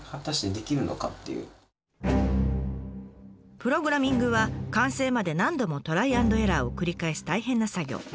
プログラミングは完成まで何度もトライアンドエラーを繰り返す大変な作業。